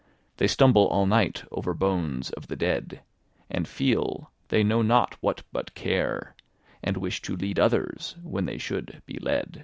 They stumble all night over bones of the dead; And feel—they know not what but care; And wish to lead others, when they should be led.